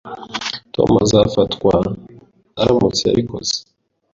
Tom azafatwa aramutse abikoze